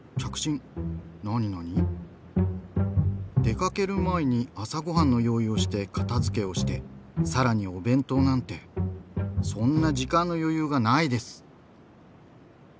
「出かける前に朝ごはんの用意をして片付けをしてさらにお弁当なんてそんな時間の余裕がないです」。